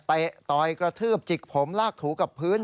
ต่อยกระทืบจิกผมลากถูกับพื้น